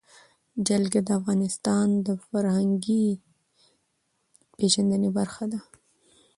جلګه د افغانانو د فرهنګي پیژندنې برخه ده.